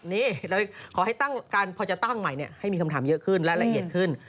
นี่เราขอให้ตั้งการพอจะตั้งใหม่ให้มีคำถามเยอะขึ้นและละเอียดขึ้น